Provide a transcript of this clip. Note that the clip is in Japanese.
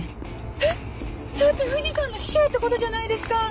えっそれって藤さんの師匠ってことじゃないですか！